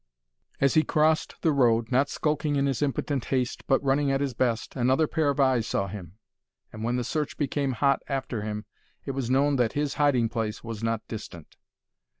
As he crossed the road, not skulking in his impotent haste, but running at his best, another pair of eyes saw him, and when the search became hot after him, it was known that his hiding place was not distant.